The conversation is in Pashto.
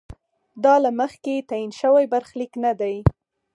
دا له مخکې تعین شوی برخلیک نه دی.